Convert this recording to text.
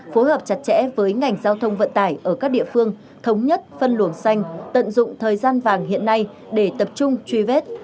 phối hợp chặt chẽ với ngành giao thông vận tải ở các địa phương thống nhất phân luồng xanh tận dụng thời gian vàng hiện nay để tập trung truy vết